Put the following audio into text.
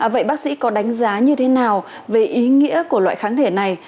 vậy bác sĩ có đánh giá như thế nào về ý nghĩa của loại kháng thể này